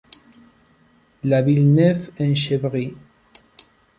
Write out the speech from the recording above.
La Villeneuve-en-Chevrie